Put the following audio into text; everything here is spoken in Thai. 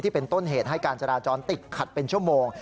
เป็นต้นเหตุให้การจราจรติดขัดเป็นชั่วโมง